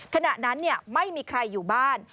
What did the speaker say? ขณะนั้นไม่มีใครอยู่บ้าน